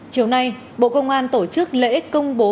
chiều nay bộ công an tổ chức lễ công bố